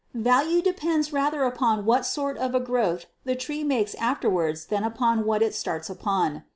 Value depends rather upon what sort of a growth the tree makes afterward than upon what it starts upon.